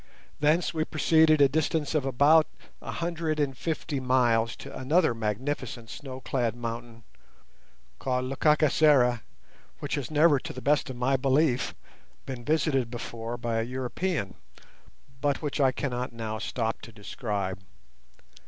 Thence we proceeded a distance of about a hundred and fifty miles to another magnificent snow clad mountain called Lekakisera, which has never, to the best of my belief, been visited before by a European, but which I cannot now stop to describe.